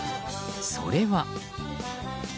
それは。